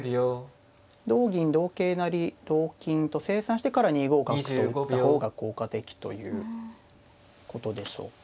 同銀同桂成同金と清算してから２五角と打った方が効果的ということでしょうか。